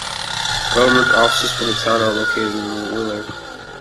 Government offices for the town are located in Willard.